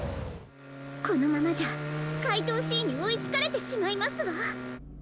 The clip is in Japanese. このままじゃかいとうＣにおいつかれてしまいますわ。